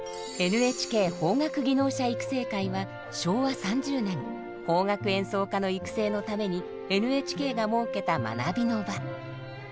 ＮＨＫ邦楽技能者育成会は昭和３０年邦楽演奏家の育成のためにＮＨＫが設けた学びの場。